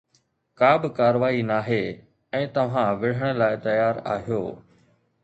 ڪابه ڪارروائي ناهي ۽ توهان وڙهڻ لاء تيار آهيو